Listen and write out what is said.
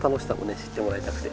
知ってもらいたくて。